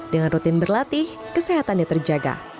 dengan rutin berlatih kesehatannya terjaga